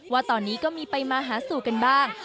ว่าตอนนี้ก็มีไปมาหาสู่กันบ้าง